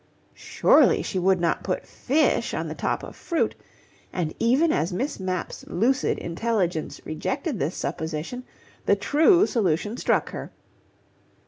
Surely she would not put fish on the top of fruit, and even as Miss Mapp's lucid intelligence rejected this supposition, the true solution struck her.